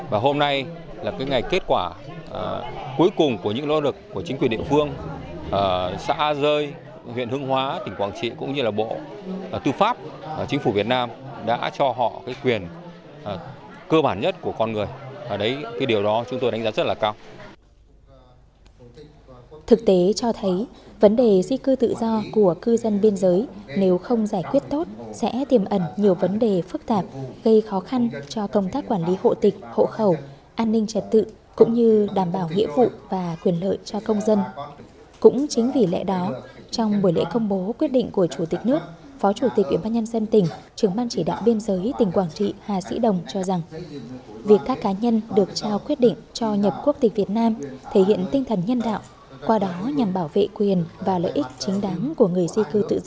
và hôm nay là cái ngày kết quả cuối cùng của những lô lực của chính quyền địa phương xã rơi huyện hưng hóa tỉnh quảng trị cũng như là bộ tư pháp chính phủ việt nam đã cho họ cái quyền cơ bản nhất của con người